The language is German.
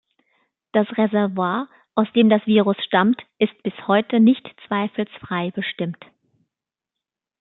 Das Reservoir, aus dem das Virus stammt, ist bis heute nicht zweifelsfrei bestimmt.